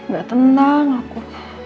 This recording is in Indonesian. gak tenang aku